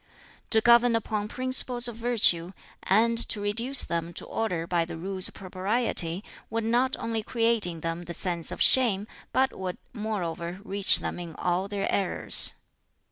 "To govern upon principles of virtue, and to reduce them to order by the Rules of Propriety, would not only create in them the sense of shame, but would moreover reach them in all their errors.